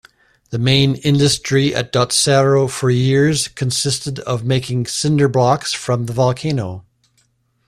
The main industry at Dotsero for years consisted of making cinderblocks from the volcano.